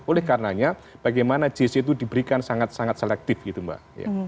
oleh karenanya bagaimana jc itu diberikan sangat sangat selektif gitu mbak